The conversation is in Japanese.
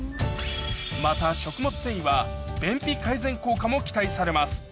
また食物繊維は便秘改善効果も期待されます